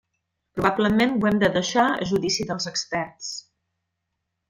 Probablement ho hem de deixar a judici dels experts.